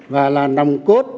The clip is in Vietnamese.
và là nồng cốt